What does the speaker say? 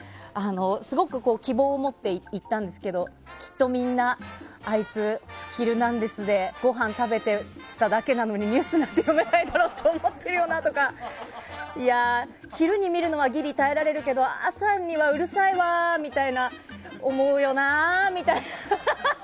すごく希望を持って行ったんですけどきっと、みんなあいつ「ヒルナンデス！」でごはん食べてただけなのにニュースなんて読めないだろって思っているよなとか昼に見るのはギリ耐えられるけど朝には、うるさいなとか思うよなみたいな。